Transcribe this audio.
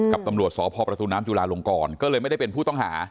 กับตำรวจสพประตูน้ำจุลาลงกรก็เลยไม่ได้เป็นผู้ต้องหา